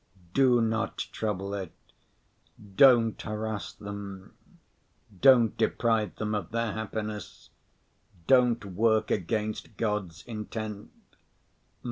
Do not trouble it, don't harass them, don't deprive them of their happiness, don't work against God's intent.